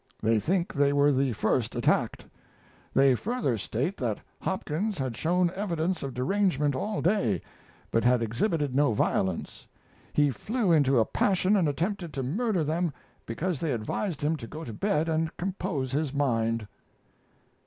They think they were the first attacked. They further state that Hopkins had shown evidence of derangement all day, but had exhibited no violence. He flew into a passion and attempted to murder them because they advised him to go to bed and compose his mind.